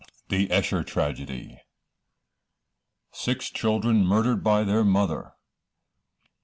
THE ESHER TRAGEDY. Six Children Murdered by their Mother.